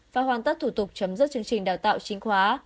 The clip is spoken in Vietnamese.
và hoàn tất thủ tục chấm dứt chương trình đào tạo chính khóa